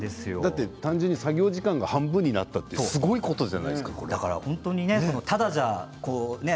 単純に作業時間が半分になったことってすごいことじゃないですか。